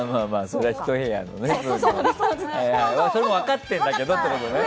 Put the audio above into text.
それも分かっているんだけどね。